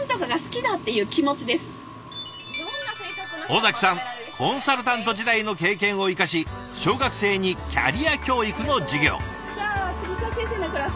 尾崎さんコンサルタント時代の経験を生かし小学生にキャリア教育の授業。